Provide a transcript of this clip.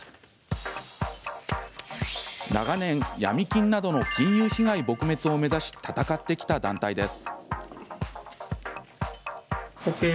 長年、ヤミ金などの金融被害撲滅を目指し闘ってきた団体です。